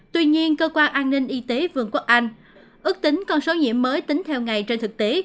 tuy nhiên cơ quan an ninh y tế vườn quốc anh ước tính con số nhiễm mới tính theo ngày trên thực tế